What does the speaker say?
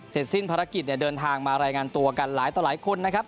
สิ้นภารกิจเนี่ยเดินทางมารายงานตัวกันหลายต่อหลายคนนะครับ